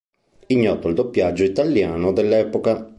Ignoto il doppiaggio italiano dell'epoca.